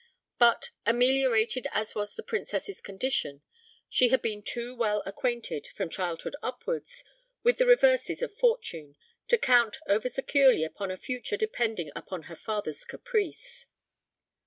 But, ameliorated as was the Princess's condition, she had been too well acquainted, from childhood upwards, with the reverses of fortune to count over securely upon a future depending upon her father's caprice.